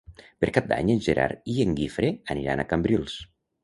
Per Cap d'Any en Gerard i en Guifré aniran a Cambrils.